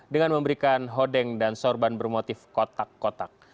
dengan memberikan hodeng dan sorban bermotif kotak kotak